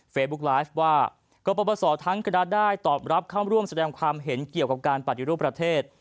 ไลฟ์ว่ากรปศทั้งกระดาษได้ตอบรับเข้าร่วมแสดงความเห็นเกี่ยวกับการปฏิรูปประเทศ